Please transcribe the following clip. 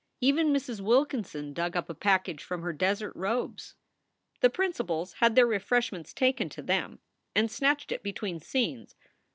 Even Mrs. Wilkinson dug up a package from her desert robes. The principals had their refreshments taken to them, and snatched it between scenes.